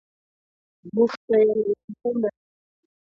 موږ ته یې له ماشومتوب نه دا خبره نه ده ښودلې